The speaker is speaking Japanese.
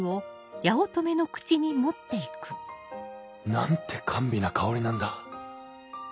何て甘美な香りなんだ